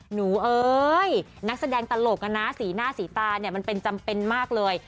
เอ้ยนักแสดงตลกนะสีหน้าสีตาเนี่ยมันเป็นจำเป็นมากเลย